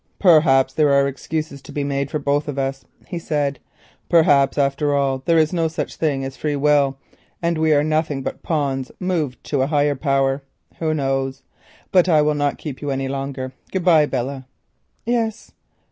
"Perhaps there are excuses to be made for both of us," he said; "perhaps, after all, there is no such thing as free will, and we are nothing but pawns moved by a higher power. Who knows? But I will not keep you any longer. Good bye—Belle!" "Yes."